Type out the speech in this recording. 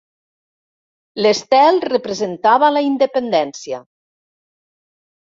L'estel representava la independència.